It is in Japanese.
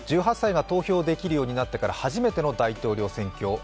１８歳が投票できるようになってから初めての大統領選挙。